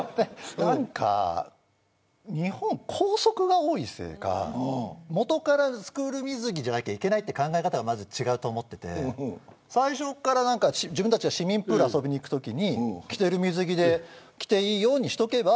日本、校則が多いせいか元からスクール水着じゃないといけないという考え方がまず違うと思っていて最初から自分たちが市民プール遊びに行くときに着ている水着で着ていいよにしとけば。